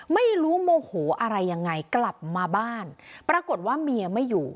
ไม่รู้โมโหอะไรยังไงกลับมาบ้านปรากฏว่าเมียไม่อยู่